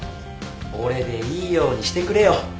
俺でいいようにしてくれよ。